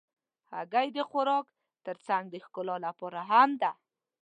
هګۍ د خوراک تر څنګ د ښکلا لپاره هم ده.